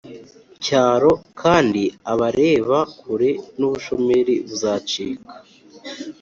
cyaro. kandi abareba kure n’ubushomeri buzacika.